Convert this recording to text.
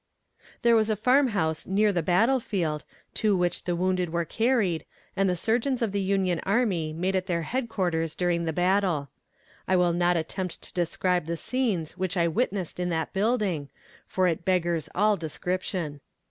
There was a farm house near the battle field, to which the wounded were carried, and the surgeons of the Union Army made it their headquarters during the battle. I will not attempt to describe the scenes which I witnessed in that building, for it beggars all description.